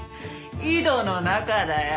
井戸の中だよ。